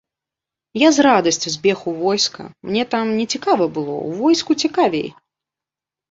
Я з радасцю збег у войска, мне там нецікава было, у войску цікавей.